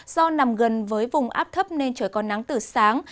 do nằm gần với vùng áp thấp nên trời còn nắng từ sáng